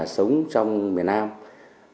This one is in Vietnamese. sống trong miền hà hà